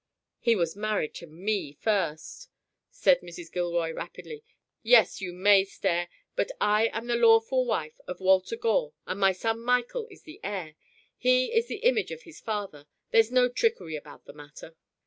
"He was married to me first," said Mrs. Gilroy, rapidly. "Yes, you may stare, but I am the lawful wife of Walter Gore and my son Michael is the heir. He is the image of his father. There's no trickery about the matter."